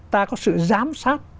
ta có sự giám sát